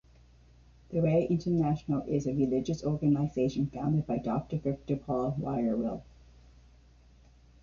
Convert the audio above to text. The Way International is a religious organization founded by Doctor Victor Paul Wierwille.